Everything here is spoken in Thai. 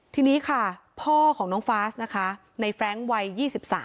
ทีนี้ค่ะพ่อของน้องฟาสนะคะในแฟรงค์วัย๒๓